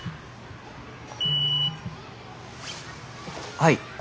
はい。